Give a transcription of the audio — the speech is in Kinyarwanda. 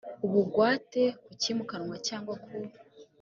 ubugwate ku cyimukanwa cyangwa ku